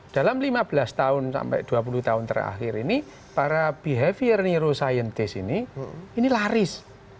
dalam lima belas tahun sampai dua puluh tahun terakhir ini para behavior neuroscientist ini ini laris